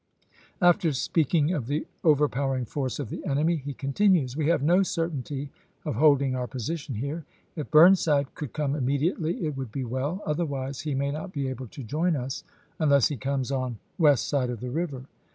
After speaking of the overpowering force of the enemy, he con tinues :" We have no certainty of holding our po sition here. If Burnside could come immediately it would be well, otherwise he may not be able to join us unless he comes on west side of river."